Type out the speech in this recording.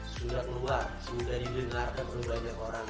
sudah keluar sebenarnya didengarkan oleh banyak orang